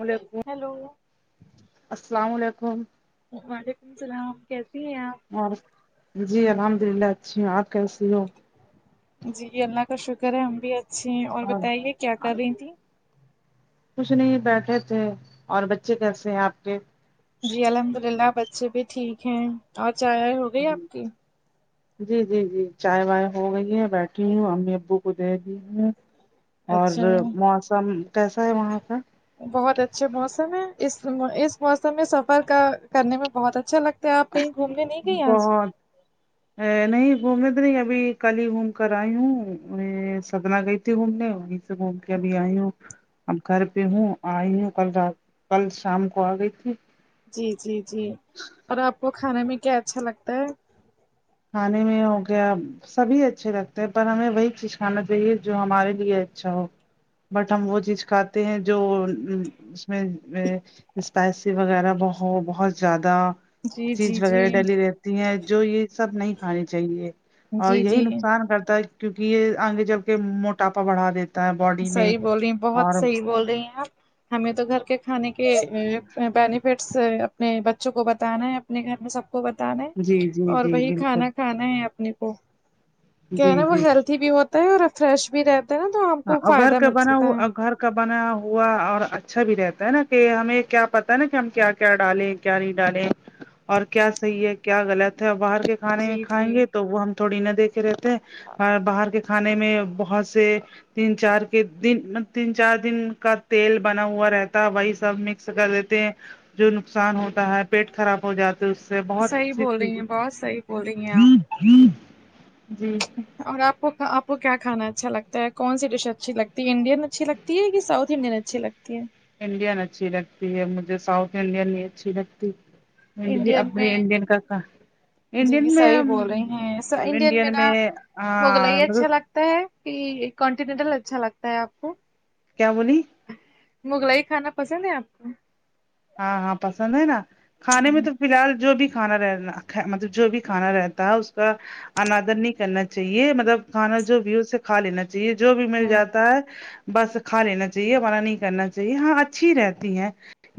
علیکم ہیلو السلام علیکم وعلیکم السلام کیسی ہیں آپ اور جی الحمد للہ اچھی ہوں آپ کیسی ہو جی اللہ کا شکر ہے ہم بھی اچھے ہیں اور بتائیے کیا کر رہی تھی کچھ نہیں بیٹھے تھے اور بچے کیسے ہیں آپ کے جی الحمد اللہ بچے بھی ٹھیک ہیں اور چاہے جی [inaudible] جی جی جی چائے وائے ہو گئی ہے بیٹھی ہوں امی ابو کو دے دی ہے اور اچھا موسم کیسا ہے وہاں کا بہت اچھے موسم ہے اس اس موسم میں سفر کا کرنے میں بہت اچھا لگتا ہے آپ کوئی گھومنے گئی آج بہت نہیں گھومنے تو نہیں ابھی کل ہی گھوم کر آئی ہوں میں سدنا گئی تھی گھومنے وہیں تو گوم کے ابھی آئی ہو اب گھر پہ ہوں آئی ہوں کل رات کل شام کو آ گئی تھی جی جی جی اور آپ کو کھانے میں کیا اچھا لگتا ہے کھانے میں ہو گیا سبھی اچھے لگتے ہیں پر ہمیں وہی چیز کھانا چاہیے جو ہمارے لیے اچھا ہو بٹ ہم وہ چیز کھاتے ہیں جو اس میں اسپائسی وغیرہ بہت زیادہ جی جی چیز جی وغیرہ ڈلی ہیں جو یہ سب نہیں کھانی چاہیے اور جی یہی جی نقصان کرتا ہے کیونکہ یہ آگے چل کے موٹاپا بڑھا دیتے صحیح بول رہی ہیں بہت صحیح بول رہی ہیں آپ ہمیں تو گھر کے کھانے کے بینیفٹس اپنے بچوں کو بتانا ہے اپنے گھر میں سب کو بتانا ہے اور وہی کھانا کھانا ہے اپنے کو کیا ہے نا وہ ہیلدھی بھی ہوتا ہے اور فریش بھی رہ ہاں اور گھر کا بنا ہوا اور گھر کا بنا ہوا اور اچھا بھی رہتا ہے نا کہ ہمیں کیا پتا ہے نا کہ ہم کیا کیا ڈالیں گے کیا نہیں ڈالیں اور کیا صحیح ہے کیا غلط ہے اور باہر کے کھانے جی کھائیں جی گے تو وہ ہم تھوڑی نہ دیکھ رہتے ہیں اور باہر کے کھانے میں بہت سے تین چار کے دن تین چار دن کا تیل بنا ہوا رہتا ہے وہی سب مکس کر دیتے ہیں جو نقصان ہوتا ہے پیٹ خراب ہو جاتا اس سے بہت ا چز لس آئی بول رہ گے جی اور آپ کو آپ کو کیا کھانا اچھا لگتا ہے کون سی ڈش اچھی لگتی ہے انڈین اچھی لگتی ہے تی ہے کہ ساؤت انڈین اچھی لگتی ہے انڈین اچھی لگتی ہے مجھے ساؤتھ انڈین نہیں اچھی لگتی مڈ جی انڈین میں ابڈین کاکا انڈین جی میں صحیح بول رہی ہیں سو انڈین نا میں آ مغلئی لو اچھا لگتا ہے کہ کانٹینینٹل اچھا لگتا ہے آپ کو کیا بولی مغلئی کھانا پسند ہے آپ کو ہاں ہاں پسند ہے نا کھانے میں تو فی الحال جو بھی کھانا رہ مطلب جو بھی کھانا رہتا ہے اس کا آنادر نہیں کرنا چاہیے مطلب کھانا جو بھیو سے کھا لینا چاہیے جو بھی مل ہاں جاتا ہے بس کھا لینا چاہیے من نہیں کرنا چاہیے ہاں اچھی رہتی ہے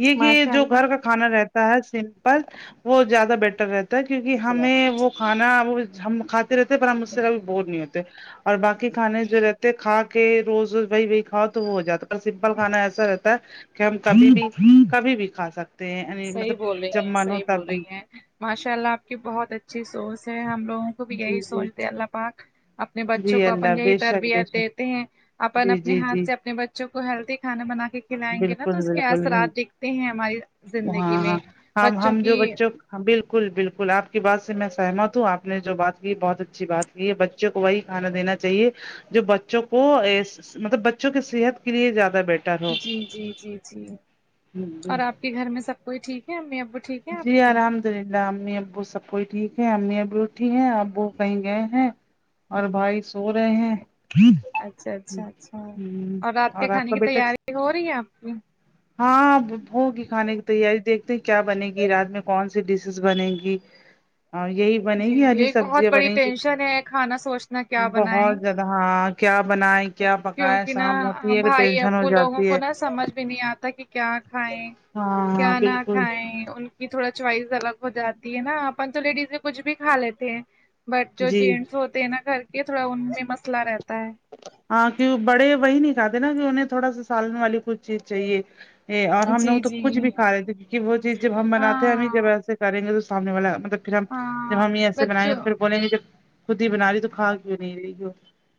یہ کہ ماشاء جو اللہ گھر کا کھانا رہتا ہے سمپل وہ زیادہ بیٹر رہتا ہے کیونکہ ہمیں وہ کھانا وہ ہم کھاتے رہتے پر ہم اس سےھی بور نہیں ہوتے اور باقی کھانے جو رہ تے کھا کے روز وہی وہی کھاؤ تو وہ ہو جاتا ہے پر سمپل کانا ایسا رہتا ہے کہ ہم کبھی بھی کبھی بھی کھا سکتے ہیں یعنی مطلب صحیح بول رہی جب ہیں من ہو صحیح تب بول رہی بھی ہیں ماشاء اللہ آپ کی بہت اچھی سوچ ہے ہم لوگوں کو بھی یہی سوچ د اللہ پاک اپنے بچوں کو اپن یہی تربیت دیتے ہیں اپن اپنے ہاتھ سے اپنے ب چوں کو ہیلدی کھانا بنا کے کھلائیں گے نا تو اس کے اثرات دکھتے ہیں ہماری ہاں زندگی میں ہاں ہم بچوں ہم کی جو بچوں ہاں بالکل بالکل آپ کی بات سے میں سہمت ہوں آپ نے جو بات کی بہت اچھی بات یہ بچوں کو وہی کھانا دینا چاہیے جو بچوں کو مطلب بچوں کی صحت کے لیے زیادہ بیٹر جی جی جی جی اور آپ کے گھر میں سب کوئی ٹھیک ہے امی ابو ٹھیک ہے آپ کی سرندا امی ابو سب کوئی ٹھیک ہے امی ابی اٹھی ہیں ابو کہیں گئے ہیں اور بھائی سو رہے ہیں اچھا اچھا اچھا اور رات کے کھانے کی تیاری ہو رہی ہے آپ کی ہاں ہوگی کھانے کی تیاری دیکھتے ہیں کیا بنے گی رات میں کون سی ڈشز بنے گی اور یہی بنے جی گی یہ ہاری ایک بہت سبزیا بڑی بنے گی ٹینشن ہے کھانا سوچنا کیا بہت زیادہ ہاں کیا بناائے گ کیونکے نہ بھائی ابو لوگوں کو نا سمجھ بھی نہیں آتا کہ کیا کھیں کیا نہ کھائیں ان کہ تھوڑا چوائس الگ ہو جاتی ہے نا اپن تو لیڈیز ہیں کچھ بھی کا لیتے ہیں بٹ جو جینٹس ہوتے ہیں نا گھر کے تھوڑا ان میں مثلا رہتا ہے ہاں کہ بڑے وہی نہیں کہاتے نا کہ انہیں تھوڑا سا سالن والی کچھ چیز چاہیے یہ اور ہم جی لوگ تو جی کچھ بھی کھالیتے ہے کی کہ وہ چیز جب ہم بناتے ہیں ہمیں ہاں جب ایسے کریں گے تو سامنے والا مطلب پھر ہم ہاں جب ہم یہ ایسے بنائیں گے تو بچوں پھر بولیں گے جب خود ہی بنا رہی تو کھا کیوں نہیں رہی ہو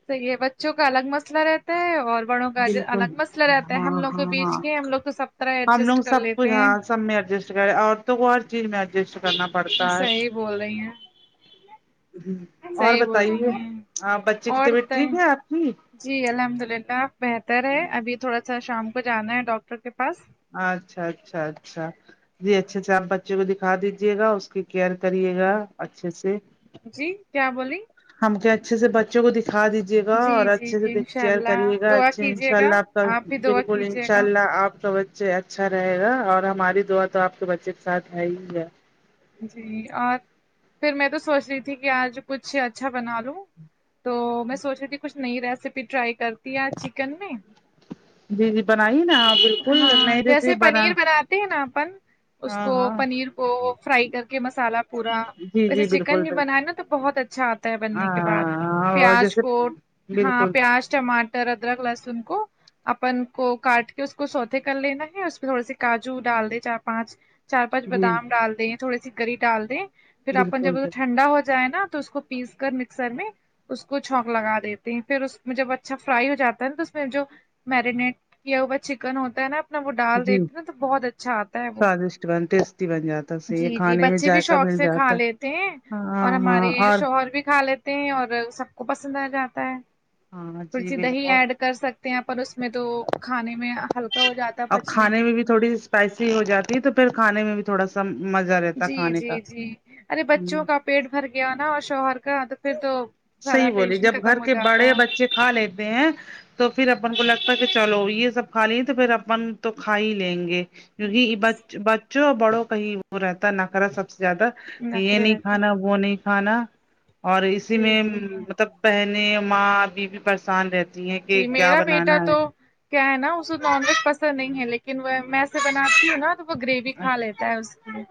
صحیح ہے بچوں کا الگ مسئلہ رہتا اور بڑوں کا الگ مسئلہ رہتا ہے ہم لوگ کے بیچ کے ہم لوگ کو سب طرح ہم لوگ ایڈجسٹ کر سب لیتے کچھ ہیں ہاں سب میں ایڈجسٹ کرے عورتوں کو ہر چیز میں ایڈجسٹ کرنا پڑتا ہے صحیح بول رہی ہیں ہوں صحیح بول رہی ہیں اور جی الحمد للہ اب بہتر ہے ابھی تھوڑا اچھا شام کو جانا ہے ڈاکٹر کے پاس اچھا اچھا اچھا جی اچھے اچھا آپ بچے کو دکھا دیجیے گا اس کی کیئر کریے گا اچھے سے جی کیا بولی ہم کہ اچھے سے بچوں کو دکھا دیجیے جیے گا جی اور جی اچھے سے جی انشاء کیئر اللہ کریے گا دعا اچھا ان کیجیے شاء گا اللہ آپ کا بھی دعا بالکل کیجیے انشاء گا اللہ آپ کا بچ چے اچھا رہے گا اور ہماری دعا تو آپ کے بچے کے ساتھ ہے ہی ہے جی اور پھر میں تو سوچ رہی تھی کہ آج کچھ اچھا بنا لوں تو میں سوچ رہی تھی کچھ نئی ریسیپی ٹرائی کرتی ہے چکن میں ہاں جیسے پنیر بناتے ہیں نا اپن اس کو پنیر کو فرائی کر کے مسالہ پورا ویسے چکن بھی بنائے نا تو بہت اچھا آتا ہے بننے کے بعد پیاز کو ہاں پیاز ٹما تر ادرک لہسن کو اپن کو کاٹ کے اس کو سوتے کر لینا ہے اس پہ تھوڑے س کاجو ڈال دے چار پانچ چار پانچ بادام ڈال دیں تھوڑی سی گری ڈال دیں پھر اپن جب ٹھنڈا ہو جائے نا تو اس کو پیس کر مکسر میں اس کو چونک لگا دیتے ہیں پھر اس میں جب اچھا فرائی ہو جاتا ہے تو اس میں جو مرینیٹ کیا ہوا چکن ہوتا ہے نا وہ ڈال دیتے نا تو بہت اچھا آتا ہے وہ جی جی بچے بھی شوق سے کھا لیتے ہیں اور ہمارے شوہر بھی کھا لیتے تے ہیں اور سب کو پسند آ جاتا ہے دہی ایڈ کر سکتے ہیں پر اس میں تو کھانے میں ہلکا ہو جاتا ہے پچنے میں اسپائسی ہو جاتی تو پھر کھانے میں بھی تھوڑا سا مزہ رہتا جی کھانے جی کا جی ارے ہ بچوں کا پیٹ بھر گیا نا شوہر کا تو پھر تو سارا صحیح بولیے ٹینشن جب گھر ختم ہو کے جاتا بڑے ہے بچے کھا لیتے ہیں تو پھر اپن کو لگتا ہے کہ چلو یہ سب کھا لیں تو پھر اپن تو کھا ہی لیں گے کیونکہ بچ بچوں بڑوں کا ہی وہ رہتا ہے نکرے سب سے زیادہ کہ یہ نخرے نہیں رہتے ہیں۔ کھانا وہ نہیں کھانا اور اسی جی میں جی مطلب بہنے ماں بیوی پریشان رہتی ہیں کہ جی کیا میرا بیٹا بنانا تو ہے کیا ہے نا اسے نان ویج پسند نہیں ہے لیکن میں جب بناتی ہوں نا تو وہ گریوی کھا لیتا ہے اس کی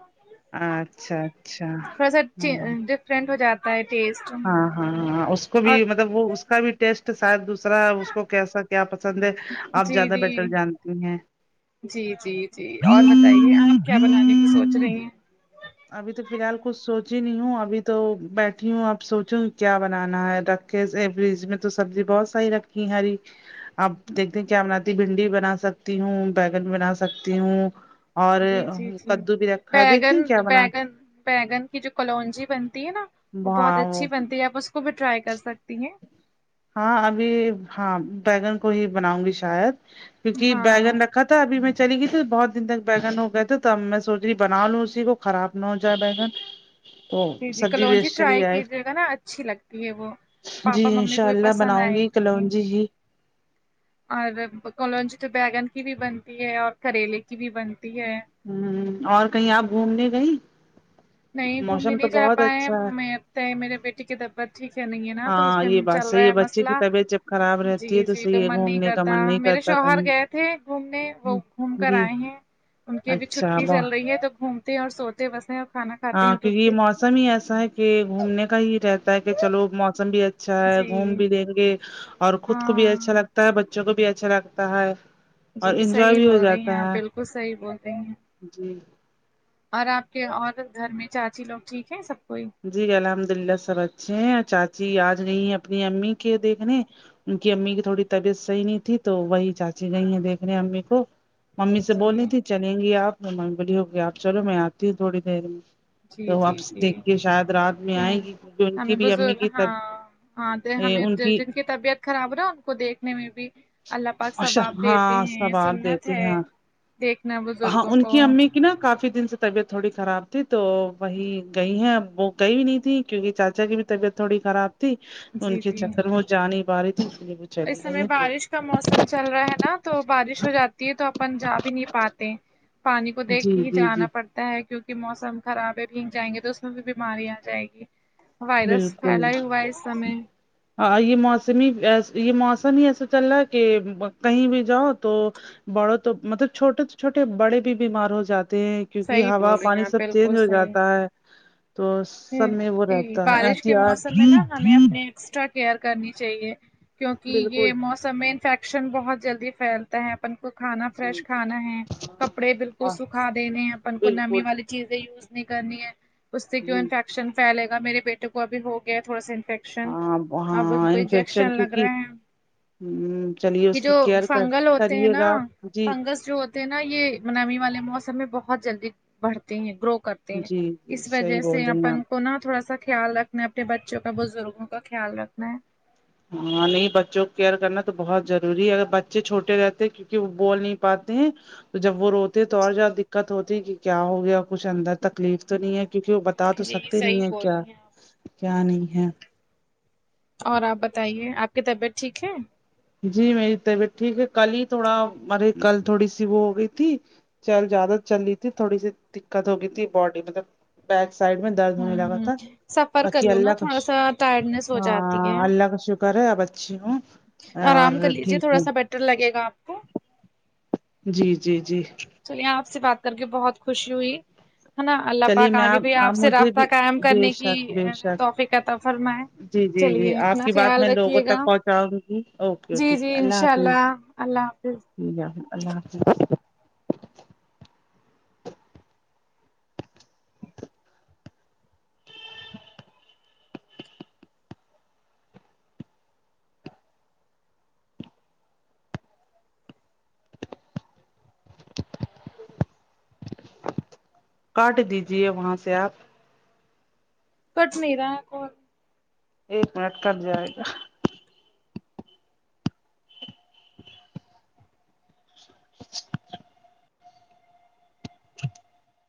اچھا اچھا تھوڑا سا ہاں ڈفرینٹ ہو جاتا ہے ٹیسٹ ہاں ہاں ہاں اس کو بھی اور مطلب وہ اس کا بھی ٹیسٹ شاید دوسرا اس کو کیسا کیا پسند ہے آپ جی زیادہ بیٹر جی جانتی ہیں جی جی جی اور بتائیے آپ کیا بنانے کو سوچ رہی ہیں ابھی تو فیلحال کچھ سوچی نہیں ہوں ابھی تو بیٹھی ہوں اب سوچوں گی کیا بنانا ہے ر فریج میں تو سبزی بہت ساری رکھی ہری آپ دیکھتے کیا بناتی بھنڈی بنا سکتی ہوں بگن بنا سکتی ہوں اور جی جی جی کدو بھی رکھا دیتی بیگن بیگن بیگن کی جو کلونجی بنتی ہے نا وہ بہت اچھی بنتی آپ اس کو بھی ٹرائی کر سکتی ہیں ہاں ابھی ہاں بیگن کو ہی بناؤں گی شاید کیونکہ ہاں بیگن رکھا تبھی میں چلی گئی تھی تو بہت دن تک بیگن ہو گئے تھے تو اب میں سوچ رہی بنا لوں اسی کو خراب نہ ہوجائے بیگن جی جی کلون جی ٹرائی کیجیے گا نا اچھی لگتی ہے وہ پاپا ممی کو بھی [unintelligible] پسند بناؤں آئے گی کلونجی ہی اور کلونجی جی تو بیگن کی بھی بنتی ہے اور کریلے کی بھی بنتی ہے ھمم اور کہیں آپ گھومنے گئی نہیں گھومنے نہیں جا پائے میں اب لگتا میرے بیٹی کی طبیعت ٹھیک ہے نہیں ہے نا تو اس میں چل رہا ہے مسلہ مسئلہ جی جی تو من نہیں کرتا میرے شوہر گئے تھے گھومنے وہ گھوم کر آئے ہیں ان کی اب چھٹی چل رہی ہے تو گھومتے ہیں اور سوتے بس ہیں اور کھانا کھاتے ہیں ہاں اٹھ کیونکہ اٹھ یہ کے موسم ہی ایسا ہے کہ گھومنے کا ہی رہتا ہے کہ چلو موسم بھی اچھا ہے جی گھوم بھی دیں گے اور خود کو بھی ہاں اچھا لگتا ہے بچوں کو بھی اچھا لگتا ہے جی صحیح بول رہی ہیں آپ بالکل صحیح بول رہی ہیں جی اور آپ کے اور گھر میں چاچی لوگ ٹھیک ہے سب کوئی جی الحمد للہ سب اچھے ہیں چاچی آج نہیں اپنی امی کے دیکھنے ان کی امی کی تھوڑی طبیعت صحیح نہیں تھی تو وہی چاچی گئی ہیں دیکھنے امی کو ممی سے جی بولرہی تھی چلیں گی آپ ممی بولی ہوگی آپ چلو میں آتی ہوں تھوڑی دیر میں جی جی جی ہمیں بزرگ ہاں ہاں آ تے ہمیں کی طبیعت خراب ہونا ان کو دیکھنے میں بھی اللہ پاک ثواب دیتے ہیں سنت ہے دیکھنا بزرگوں کو کی نہ کافی دن سے طبیعت تھوڑی خراب تھی تو وہی گئی ہے اب وہ گئی بھی نہیں تھی کیونکہ چاچا کی بھی طبیعت تھوڑی خراب تھی تو ان جی کے جی چکر وہ جا نہیں پا رہی تھی اس لیے وہ چلی اس گئی سمے ہیں تو بارش کا موسم چل رہا ہے نا تو بارش ہو جاتی ہے تو اپن جا بھی نہیں پاتے پانی کو دیکھ کے ہی جانا پڑتا ہے کیونکہ موسم خراب بھیگ جائیں گے تو اس میں بھی بیماری آ جائے گی وائرس پھیلا ہی ہوا ہے اس سمے ہاں یہ موسمی یہ موسم ہی ایسا چل رہا ہے کہ کہیں بھی جاؤ تو بڑوں تو مطلب چھوٹے تو چھوٹے بڑے بھی بیمار ہو جاتے ہیں کیونکہ صحیح ہوا بول رہی پانی ہیں آپ سب چینج بالکل ہو صحیح جاتا ہے تو سب میں وہ رہتا بارش کے موسم میں نا ہمیں اپنی ایکسٹرا کیئر کرنی چاہیے کیونکہ یہ موسم سب میں انفیکشن بہت جلدی پھیلتا ہے اپن کو کھانا فریش کھانا ہے کپڑے بالکل سکھا دینے ہیں اپن کو نمی والے چیزیں یوز نہیں کرنی ہے اس سے یو انفیکشن پھیلے گا میرے بیٹے کو ابھی ہو گیا ہے تھوڑا سا انفیک شن اب انجیکشن لگ را ہیں یہ جو فنگل ہوتے ہیں نا فنگس جو ہوتے ہیں نا یہ نمی والے موسم میں بہت جلدی بڑھتے ہیں گرو کرتے ہیں جی جی اس وجہ صحیح بول سے اپن کو نا تھوڑا سا خیال رکھنا ہے اپنے بچوں کا بزرگوں کا خیال رکھنا ہے ہاں نہیں بچوں کو کیئر کرنا تو بہت ضروری ہے اگر بچے چھوٹے رہتے ہیں کیونکہ وہ بول نہیں پاتے ہیں تو جب وہ روتے تو اور زیادہ دککت ہوتی ہے کہ کیا ہو گیا کچھ اندر تک تکلیف تو نہیں ہے کیونکہ وہ بتا تو جی سکتے نہیں صحیح ہے بول کیا رہی ہیں آپ کیا نہیں ہے اور آپ بتائیے آپ کی طبیعت ٹھیک ہے جی میری طبیعت ٹھیک ہے کل ہی تھوڑا مرے کل تھوڑی سی وہ ہو گئی تھی چل زیادہ چل رہی تھی تھوڑی سی دقت ہو گئی تھی باڈی مطلب باک سائڈ میں درد ہونے ہوں لگا ہوں تھا سفر کر باقی لو نا اللہ تھوڑا سا ٹائرڈنیس کشر ہو جاتی ہے ہاں اللہ کا شکر کرے آ بچی ہوں آرام کر لیجیے تھوڑا سا بیٹر لگے گا کو جی جی جی چلیے آپ سے بات کر کے بہت خوشی ہوئی ہے نا اللہ پاک آگے بھی آپ سے رابطہ قائم کرنے کی توفیق عطا فرمائے چلیے اپنا خیال رکھیے گا جی جی انشاء اللہ اللہ حافظ ٹھیک ہے پھر اللہ حافظ کاٹ دیجیے وہاں سے آپ کٹنیرا ہے فون ایک منٹ کٹ جائے گا